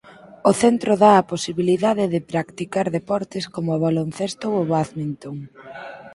O centro da a posibilidade de practicar deportes coma o baloncesto ou o bádminton.